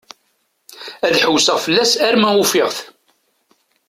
Ad ḥewseɣ fell-as arma ufiɣ-t.